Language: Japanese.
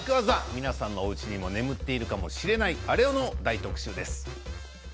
皆さんの、おうちにも眠っているかもしれないあれを大特集します。